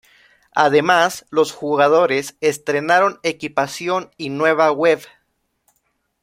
Además, los jugadores estrenaron equipación y nueva web.